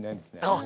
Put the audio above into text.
ああ。